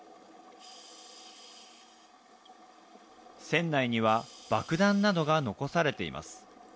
船内には爆弾などが残されています。